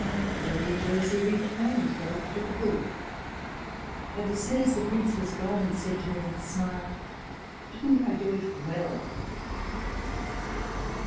Lady Jersey returned the look to the full ; and, as soon as the Prince was gone, said to me with a smile, " Didn't I do it well